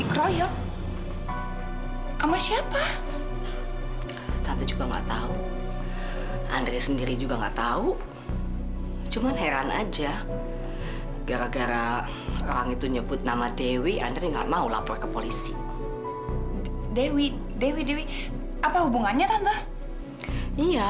ini pasti gustaf nih ini pasti gustaf yang ambil uang bibi tenang dulu masa tangguh sampai